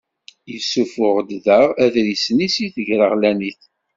Yessuffuɣ-d daɣ aḍris-nni seg tegreɣlanit.